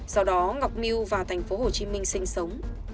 sau đó ngọc miu và thành phố hồ chí minh sinh sống